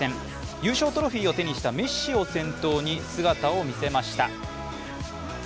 優勝トロフィーを手にしたメッシを先頭に、姿を見せました。